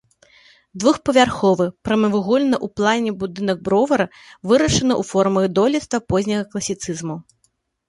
Двухпавярховы, прамавугольны ў плане будынак бровара вырашаны ў формах дойлідства позняга класіцызму.